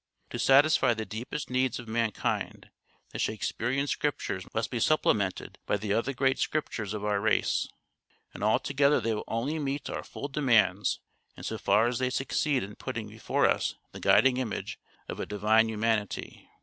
To satisfy the deepest needs of mankind the Shakespearean scriptures must be supplemented by the other great scriptures of our race ; and all together they will only meet our full demands in so far as they succeed in putting before us the guiding image of a divine Humanity.